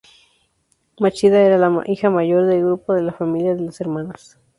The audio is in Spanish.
Machida era la hija mayor de la familia de tres hermanas.